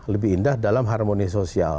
lebih indah dalam harmoni sosial